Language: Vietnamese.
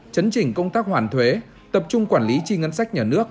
chấn trình công tác hoàn thuế tập trung quản lý chi ngân sách nhà nước